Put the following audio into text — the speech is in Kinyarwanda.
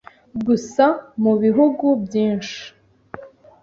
Gusa mu bihugu byinshi,